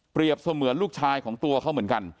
เสมือนลูกชายของตัวเขาเหมือนกัน